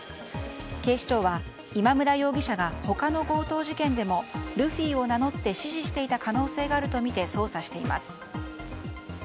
警視庁は今村容疑者が他の強盗事件でもルフィを名乗って指示していた可能性があるとみて捜査しています。